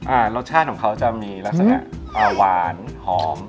อ่ารสชาติของเขามีลักษณะวานหอม